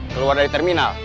keluar dari terminal